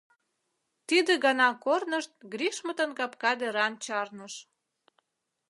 Тиде гана корнышт Гришмытын капка деран чарныш.